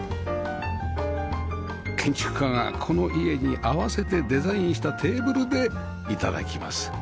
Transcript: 建築家がこの家に合わせてデザインしたテーブルで頂きます